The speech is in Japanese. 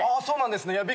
そうなんですね。